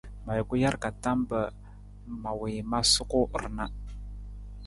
Ma juku jar ka tam mpa ma wii ma suku ra na.